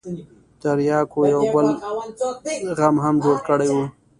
ترياکو يو بل غم هم جوړ کړى و.